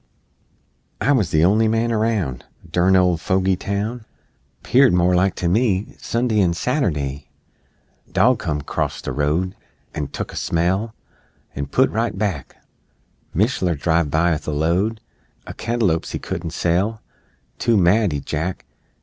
I wuz the on'y man aroun' (Durn old fogy town! 'Peared more like, to me, Sund'y 'an Saturd'y!) Dog come 'crost the road An' tuck a smell An' put right back; Mishler driv by 'ith a load O' cantalo'pes he couldn't sell Too mad, 'y jack!